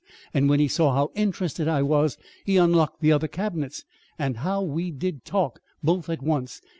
And when he saw how interested I was, he unlocked the other cabinets and how we did talk, both at once!